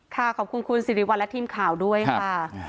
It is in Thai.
ขอบคุณคุณสิริวัลและทีมข่าวด้วยค่ะ